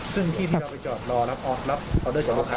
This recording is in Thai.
ซึ่งที่ที่เราไปจอดรอรับออดรับออเดอร์จอดรอบค้า